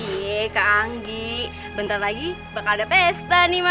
nih kak anggi bentar lagi bakal ada pesta nih mas